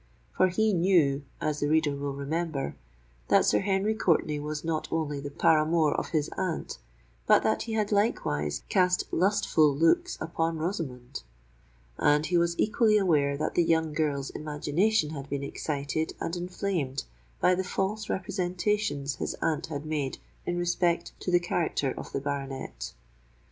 For he knew—as the reader will remember—that Sir Henry Courtenay was not only the paramour of his aunt, but that he had likewise cast lustful looks upon Rosamond; and he was equally aware that the young girl's imagination had been excited and inflamed by the false representations his aunt had made in respect to the character of the baronet.